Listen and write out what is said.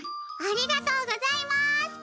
ありがとうございます。